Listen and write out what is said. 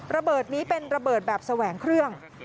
ระเบิดนี้เป็นระเบิดแบบแสวงเครื่อง